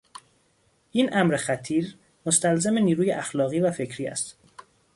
این امر خطیر مستلزم نیروی اخلاقی و فکری است.